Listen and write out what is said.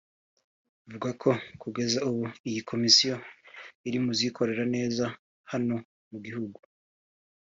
avuga ko kugeza ubu iyi Komisiyo iri muzikora neza hano mu gihugu